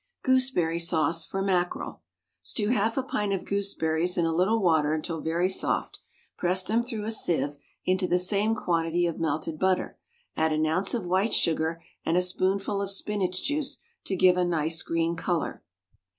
=Gooseberry Sauce, for Mackerel.= Stew half a pint of gooseberries in a little water until very soft, press them through a sieve into the same quantity of "melted butter," add an ounce of white sugar, and a spoonful of spinach juice to give a nice green colour.